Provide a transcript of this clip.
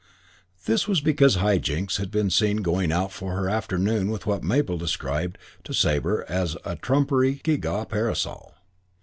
This was because High Jinks had been seen going out for her afternoon with what Mabel described to Sabre as a trumpery, gee gaw parasol.